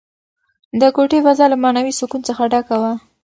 د کوټې فضا له معنوي سکون څخه ډکه وه.